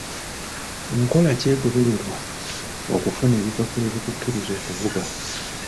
Nkola ki egobererwa okufuna ebipapula ebikukkiriza okuvuga?